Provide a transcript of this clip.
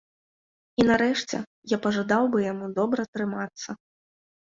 І нарэшце, я пажадаў бы яму добра трымацца.